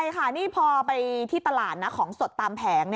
ใช่ค่ะนี่พอไปที่ตลาดนะของสดตามแผง